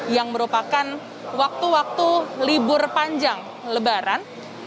yang merupakan waktu waktu libur panjang lebaran